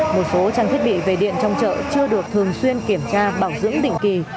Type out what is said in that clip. một số trang thiết bị về điện trong chợ chưa được thường xuyên kiểm tra bảo dưỡng định kỳ